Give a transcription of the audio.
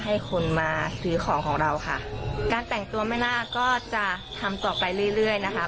ให้คนมาซื้อของของเราค่ะการแต่งตัวแม่นาคก็จะทำต่อไปเรื่อยเรื่อยนะคะ